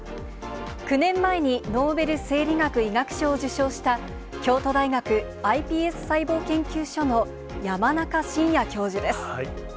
９年前にノーベル生理学・医学賞を受賞した、京都大学ｉＰＳ細胞研究所の山中伸弥教授です。